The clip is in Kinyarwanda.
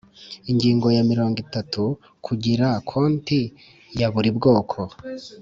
Ingingo ya mirongo itatu Kugira konti ya buri bwoko